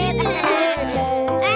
adanya jisak dia kan